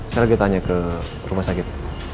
saya lagi tanya ke rumah sakit